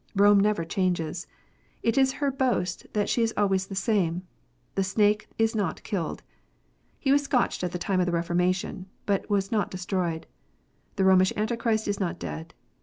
Rome never changes. It is her boast that she is always the same. The snake is not killed. He was scotched at the time of the Reformation, but was not destroyed. The Romish Antichrist is not dead.